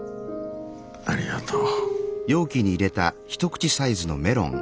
ありがとう。